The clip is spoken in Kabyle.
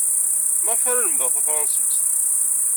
Maɣef ara lemdeɣ tafṛensist?